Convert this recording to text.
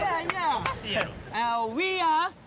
おかしいやろ。